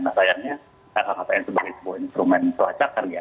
nah sayangnya lhkpn sebagai sebuah instrumen pelacakan ya